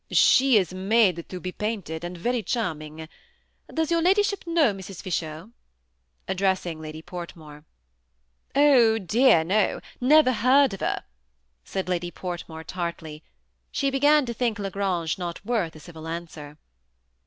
She is made to be painted, and most charming. Does your ladyship know Mrs. Fisher ?" addressing Lady Portmore. " Oh dear, no ; never heard of her," said Lady Port more, tartly. She began to think La Grange not worth a civil answer.